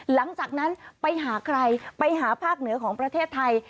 หลังจากนั้นไปหาใครไปหาภาคเหนือของประเทศไทย